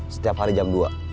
setiap hari jam dua